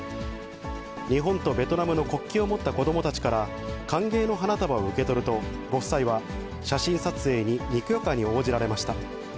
日本とベトナムの国旗を持った子どもたちから歓迎の花束を受け取ると、ご夫妻は写真撮影ににこやかに応じられました。